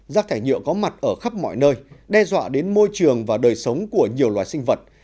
rác thải nhựa có mặt ở khắp mọi nơi đe dọa đến môi trường và đời sống của nhiều loài sinh vật